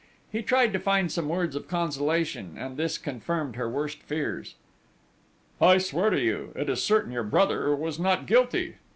He tried to find some words of consolation, and this confirmed her worst fears: "I swear to you!... It is certain your brother was not guilty!"